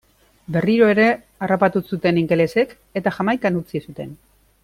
Berriro ere harrapatu zuten ingelesek eta Jamaikan utzi zuten.